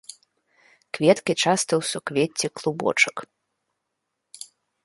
Кветкі часта ў суквецці клубочак.